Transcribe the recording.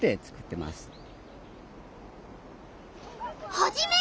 ハジメ！